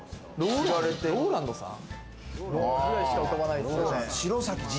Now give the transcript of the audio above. ＲＯＬＡＮＤさん？